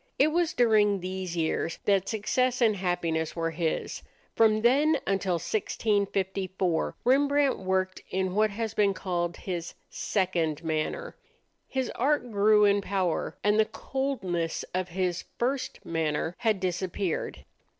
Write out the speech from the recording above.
It was during these years that success and happiness were his. From then until 1654 Rembrandt worked in what has been called his "second manner." His art grew in power, and the coldness of his "first manner" had disappeared.